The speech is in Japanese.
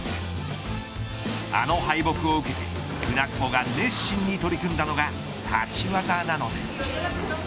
あの敗北を受けて舟久保が熱心に取り組んだのが立ち技なのです。